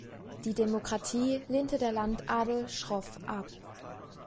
Die Demokratie lehnte der Landadel schroff ab.